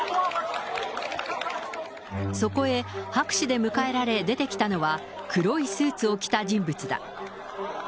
そこへ、拍手で迎えられ、出てきたのは、黒いスーツを着た人物だ。